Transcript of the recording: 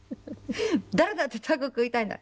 「誰だってタコ食いたいんだ。